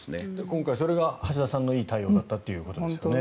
今回、それが橋田さんのいい対応だったということですよね。